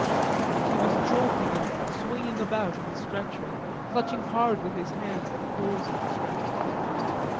And he was jolting and swinging about in the stretcher, clutching hard with his hands at the poles of the stretcher.